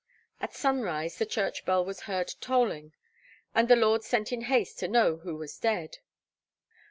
At sunrise the church bell was heard tolling, and the lord sent in haste to know who was dead.